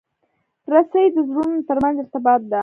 رسۍ د زړونو ترمنځ ارتباط ده.